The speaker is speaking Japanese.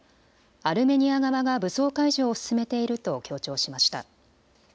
アルメニア側が武装解除を進めていると強調しました。